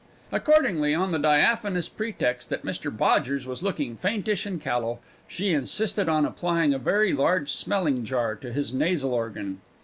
Accordingly, on the diaphanous pretext that Mr Bodgers was looking faintish and callow, she insisted on applying a very large smelling jar to his nasal organ.